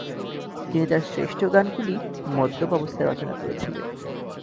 তিনি তার শ্রেষ্ঠ গানগুলি মদ্যপ অবস্থায় রচনা করেছিলেন।